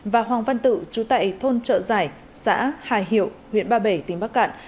và hoàng văn tự chú tại thôn trợ giải xã hà hiệu huyện ba bể tỉnh bắc cạn